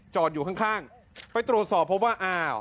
จอดอยู่ข้างไปตรวจสอบพบว่า